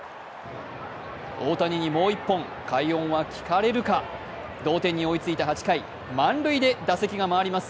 大谷にもう一本、快音は聞かれるか同点に追いついた８回満塁で打席が回ります。